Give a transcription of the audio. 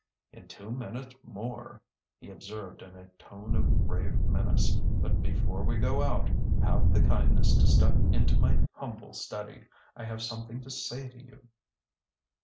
"In two minutes more !" he observed in a tone of grave menace. "But before we go out, have the kindness to step into my humble study. I have somewhat to say to you."